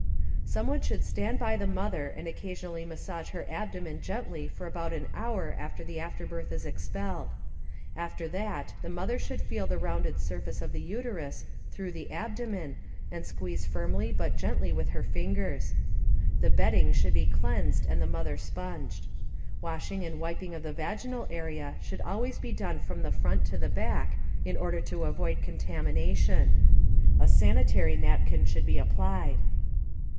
Someone should stand by the mother and occasionally massage her abdomen gently for about an hour after the afterbirth is expelled. After that the mother should feel the rounded surface of the uterus through the abdomen and squeeze firmly but gently with her fingers. The bedding should be cleansed and the mother sponged. Washing and wiping of the vaginal area should always be done from the front to the back in order to avoid contamination. A sanitary napkin should be applied.